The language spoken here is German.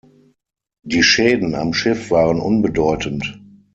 Die Schäden am Schiff waren unbedeutend.